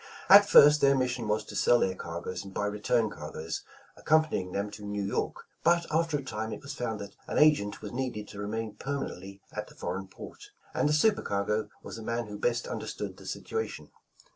At first their mission was to sell their cargoes and buy return cargoes, accompanying them to New York. But after a time it was found that an agent was needed to remain permanently at the foreign port, and the super cargo was the man who best understood the situ ation.